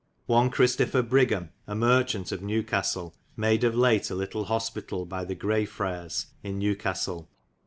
One Christopher Brigham, a marchant of Newcastelle, made of late a litle hospital by the Gray Freres in New castelle.